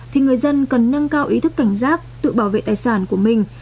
thì người dân cần nâng cao ý thức cảnh giác tự bảo vệ tài sản của mình